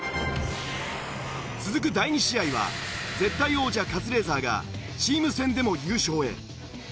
続く第２試合は絶対王者カズレーザーがチーム戦でも優勝へ。